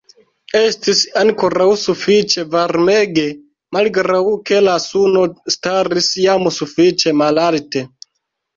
Estis ankoraŭ sufiĉe varmege, malgraŭ ke la suno staris jam sufiĉe malalte.